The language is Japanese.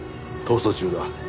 逃走中だ。